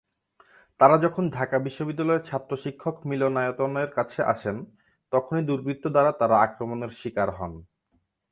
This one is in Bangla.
তারা যখন ঢাকা বিশ্ববিদ্যালয়ের ছাত্র শিক্ষক মিলনায়তন এর কাছে আসেন, তখনি দুর্বৃত্ত দ্বারা তারা আক্রমণের স্বীকার হন।